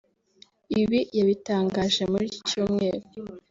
Ibi yabitangaje muri iki Cyumweru